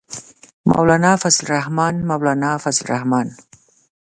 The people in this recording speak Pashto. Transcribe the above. مولانا فضل الرحمن، مولانا فضل الرحمن.